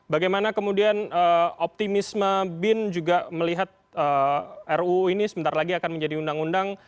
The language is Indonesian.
bagaimana kemudian optimisme bin juga melihat ruu ini sebentar lagi akan menjadi undang undang